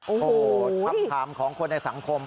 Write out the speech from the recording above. โอ้โหคำถามของคนในสังคม